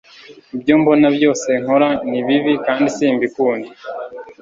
ibyo mbona byose nkora ni bibi kandi si mbikunda